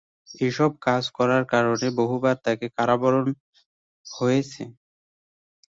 এসব কাজ করার কারণে বহুবার তাকে কারাবরণ হয়েছে।